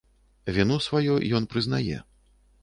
Віну сваю ён прызнае.